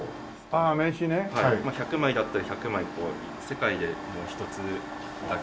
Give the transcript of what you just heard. まあ１００枚だったら１００枚世界で一つだけの。